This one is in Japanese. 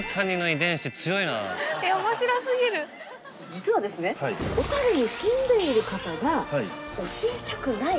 実は小樽に住んでいる方が教えたくない